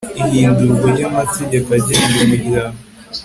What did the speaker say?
ihindurwa ry amategeko agenga umuryango